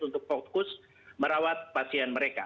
untuk fokus merawat pasien mereka